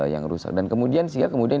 yang rusak dan kemudian